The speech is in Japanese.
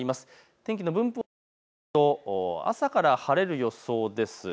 天気の分布を見てみますと朝から晴れる予想です。